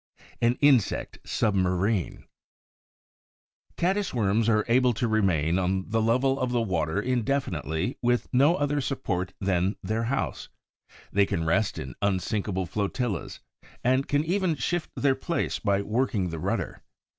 AN INSECT SUBMARINE Caddis worms are able to remain on the level of the water indefinitely with no other support than their house; they can rest in unsinkable flotillas and can even shift their place by working the rudder.